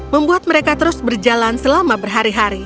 membuat mereka terus berjalan selama berhari hari